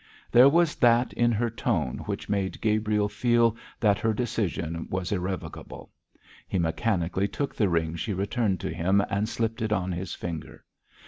There was that in her tone which made Gabriel feel that her decision was irrevocable. He mechanically took the ring she returned to him and slipped it on his finger.